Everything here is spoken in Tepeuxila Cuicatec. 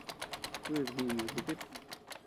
Kuid jíma dutit.